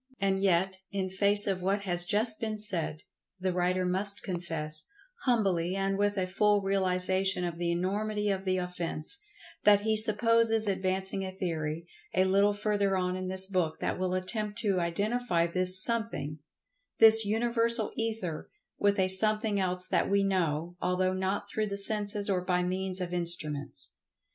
And yet, in face of what has just been said,[Pg 106] the writer must confess, humbly and with a full realization of the enormity of the offence, that he supposes advancing a theory, a little further on in this book that will attempt to identify this Something—this Universal Ether—with a Something else that we know, although not through the senses or by means of instruments.